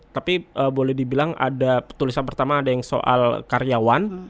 tapi boleh dibilang ada tulisan pertama ada yang soal karyawan